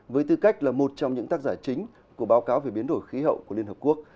với tư cách là một trong những tác giả chính của báo cáo về biến đổi khí hậu của liên hợp quốc